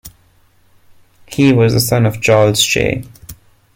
He was the son of Charles J.